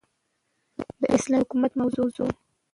داسلامي حكومت موضوع